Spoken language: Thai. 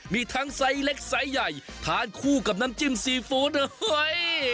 มีทั้งไซส์เล็กไซส์ใหญ่ทานคู่กับน้ำจิ้มซีฟู้ดเฮ้ย